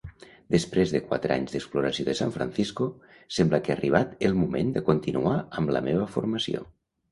Després de quatre anys d'exploració de San Francisco, sembla que ha arribat el moment de continuar amb la meva formació.